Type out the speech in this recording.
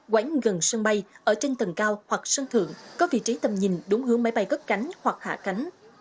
quán gần sân bay ở trên tầng cao hoặc sân thượng có vị trí tầm nhìn đúng hướng máy bay cất cánh hoặc hạ cánh